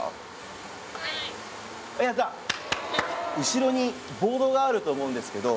後ろにボードがあると思うんですけど